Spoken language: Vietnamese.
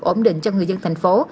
ổn định cho người dân thành phố